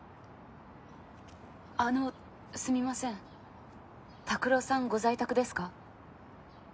あのすみません拓朗さんご在宅ですか？